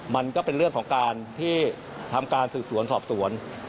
มันก็เป็นเรื่องของการที่ทำการสืบสวนสอบสวน